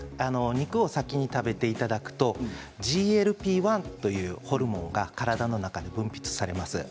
肉を先に食べていただくとＧＬＰ−１というホルモンが体の中で分泌されます。